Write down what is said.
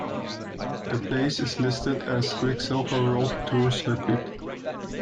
The place is listed as Quicksilver World Tour Circuit.